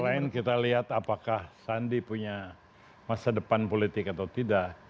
selain kita lihat apakah sandi punya masa depan politik atau tidak